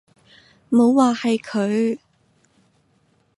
冇話係佢